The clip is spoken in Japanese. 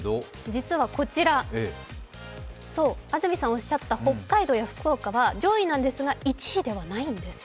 実は、安住さんおっしゃった北海道や福岡は上位なんですが、１位ではないんです。